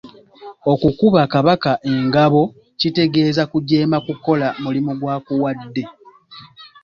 Okukuba Kabaka engabo kitegeeza kujeema kukola mulimu gw’akuwadde.